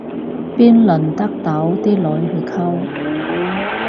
邊輪得到啲女去溝